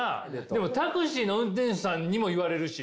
でもタクシーの運転手さんにも言われるし。